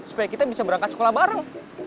supaya kita bisa berangkat sekolah bareng